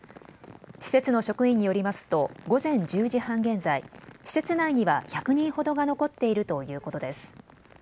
施設の職員によりますと午前１０時半現在、施設内には１００人ほどが残っているということです。